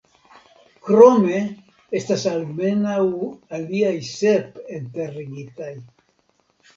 Krome estas almenaŭ aliaj sep enterigitaj.